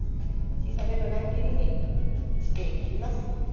小さめの乱切りにしていきます。